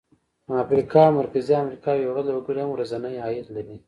د افریقا او مرکزي امریکا بېوزله وګړي هم ورځنی عاید لري.